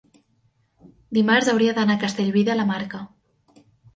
dimarts hauria d'anar a Castellví de la Marca.